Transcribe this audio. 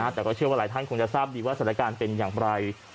แต่ก็เชื่อว่าหลายท่านคงจะทราบดีว่าสถานการณ์เป็นอย่างไร